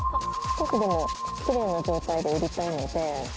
ちょっとでもきれいな状態で売りたいので。